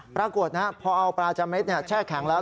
ปรากฏนะครับพอเอาปลาจาระเม็ดแช่แข็งแล้ว